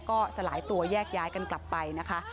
ก็สลายตัวแยกย้ายกันกลับไปนะคะ